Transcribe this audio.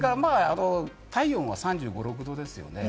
体温が３５３６度ですよね。